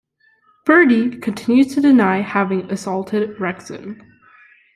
Burdi continues to deny having assaulted Reckzin.